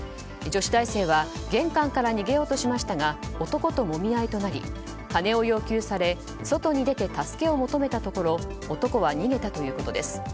女子大生は、玄関から逃げようとしましたが男ともみ合いとなり金を要求され外に出て助けを求めたところ男は逃げたということです。